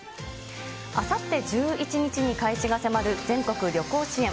あさって１１日に開始が迫る全国旅行支援。